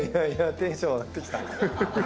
テンション上がってきた。